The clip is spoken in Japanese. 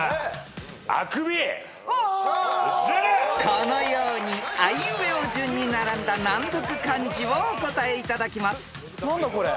［このようにあいうえお順に並んだ難読漢字をお答えいただきます］